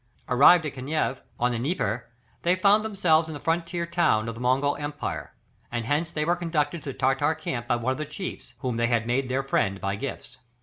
Arrived at Kaniev, on the Dnieper, they found themselves in the frontier town of the Mongol empire, and hence they were conducted to the Tartar camp by one of the chiefs, whom they had made their friend by gifts.